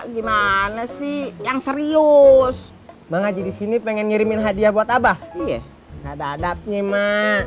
gimana sih yang serius mengajini sini pengen ngirimin hadiah buat abah iya ada adabnya emak